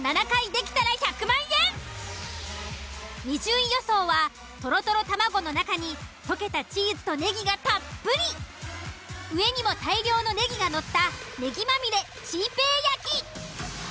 ２０位予想はとろとろ卵の中に溶けたチーズと葱がたっぷり上にも大量の葱がのった葱まみれチー平焼き。